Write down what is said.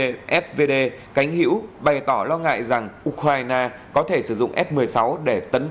về fvd cánh hữu bày tỏ lo ngại rằng ukraine có thể sử dụng f một mươi sáu để tấn công các mục tiêu của nga